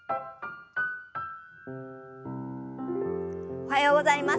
おはようございます。